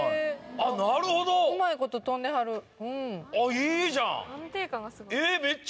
あっいいじゃん！